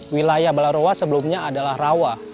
wilayah balai roa sebelumnya adalah rawa